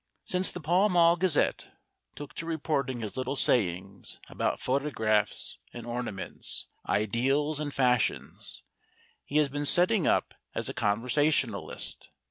Since the Pall Mall Gazette took to reporting his little sayings about photographs and ornaments, ideals and fashions, he has been setting up as a conversationalist.